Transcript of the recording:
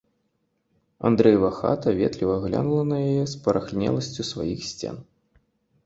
Андрэева хата ветліва глянула на яе спарахнеласцю сваіх сцен.